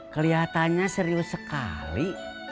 keliatannya serius sekali